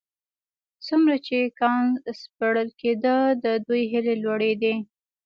څومره چې کان سپړل کېده د دوی هيلې لوړېدې.